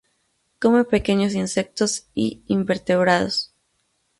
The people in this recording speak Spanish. Come pequeños insectos y invertebrados.